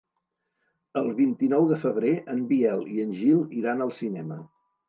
El vint-i-nou de febrer en Biel i en Gil iran al cinema.